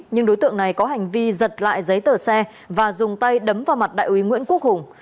nhưng đối tượng này có hành vi giật lại giấy tờ xe và dùng tay đấm vào mặt đại úy nguyễn quốc hùng